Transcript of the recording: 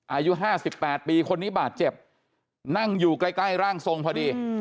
อายุ๕๘ปีคนนี้บาดเจ็บนั่งอยู่ใกล้ร่างทรงพอดี